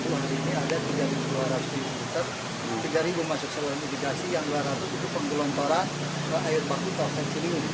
waktu ini ada tiga dua ratus liter tiga masuk seluruh mitigasi yang dua ratus itu penggulung torah air panggung ke ciliwung